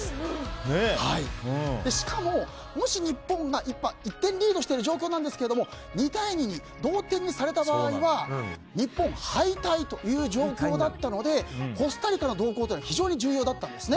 しかも、もし日本が１点リードしている状況なんですが２対２、同点にされた場合は日本は敗退という状況だったのでコスタリカの動向が非常に重要だったんですね。